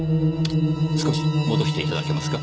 少し戻していただけますか。